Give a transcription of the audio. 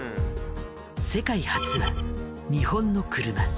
世界初は日本の車。